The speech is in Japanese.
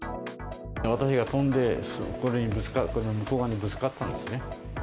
私が飛んで、そこにぶつかった、その向こう側にぶつかったんですね。